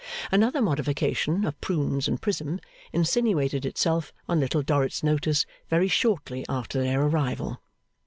Another modification of Prunes and Prism insinuated itself on Little Dorrit's notice very shortly after their arrival.